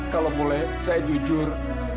kalau boleh saya jujur